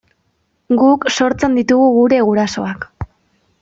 Guk sortzen ditugu gure gurasoak.